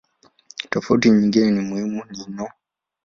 Tofauti nyingine muhimu ni no.